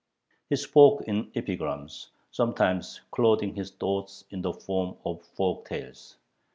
He spoke in epigrams, sometimes clothing his thoughts in the form of folk tales.